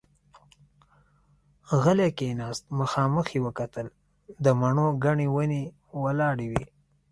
غلی کېناست، مخامخ يې وکتل، د مڼو ګنې ونې ولاړې وې.